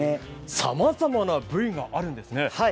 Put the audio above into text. さまざまな部位があるんですね。